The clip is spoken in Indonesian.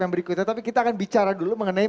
yang berikutnya tapi kita akan bicara dulu mengenai